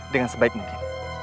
dengan sebaik mungkin